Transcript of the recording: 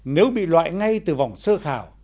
nếu bị loại ngay từ vòng sơ khảo